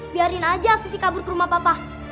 biarin aja vivi kabur ke rumah papa